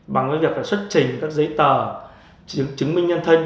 bằng cái việc là xuất trình các giấy tờ chứng minh nhân thân